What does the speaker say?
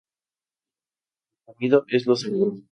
Lo comido es lo seguro